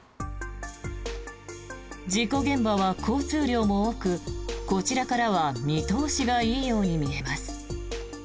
事故現場は交通量も多くこちらからは見通しがいいように見えます。